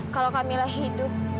kalau camilla hidup